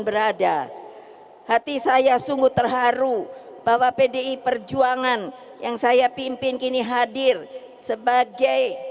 berada hati saya sungguh terharu bahwa pdi perjuangan yang saya pimpin kini hadir sebagai